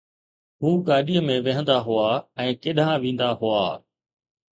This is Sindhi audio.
هو گاڏيءَ ۾ ويهندا هئا ۽ ڪيڏانهن ويندا هئا.